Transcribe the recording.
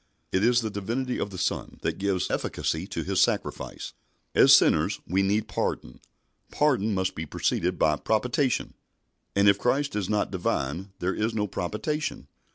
It is the Divinity of the Son that gives efficacy to His sacrifice. As sinners we need pardon. Pardon must be preceded by propitiation, and if Christ is not Divine there is no propitiation.